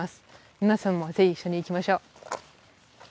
皆さんも是非一緒に行きましょう。